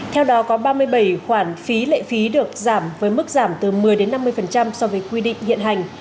theo đó có ba mươi bảy khoản phí lệ phí được giảm với mức giảm từ một mươi năm mươi so với quy định hiện hành